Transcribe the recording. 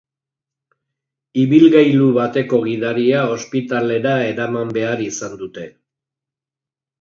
Ibilgailu bateko gidaria ospitalera eraman behar izan dute.